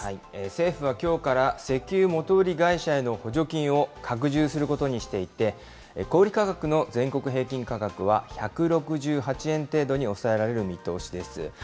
政府はきょうから石油元売り会社への補助金を拡充することにしていて、小売り価格の全国平均価格は１６８円程度に抑えられる見通しです。